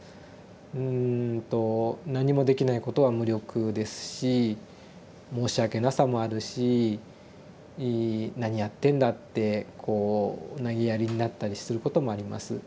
うんと何もできないことは無力ですし申し訳なさもあるし「何やってんだ」ってこうなげやりになったりすることもあります。